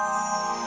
aku sudah lebih